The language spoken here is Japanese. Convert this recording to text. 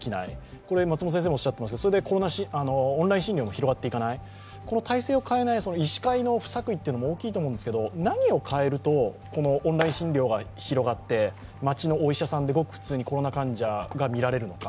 これは松本先生もおっしゃっていますが、それでオンライン診療も広がっていかない、この体制を変えない医師会の不作為も大きいと思うんですけど、何を変えるとこのオンライン診療が広がって街のお医者さんで、ごく普通にコロナ患者が診られるのか。